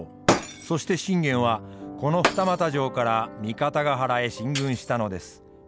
そして信玄はこの二俣城から三方ヶ原へ進軍したのです。